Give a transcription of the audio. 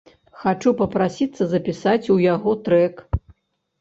Хачу папрасіцца запісаць у яго трэк.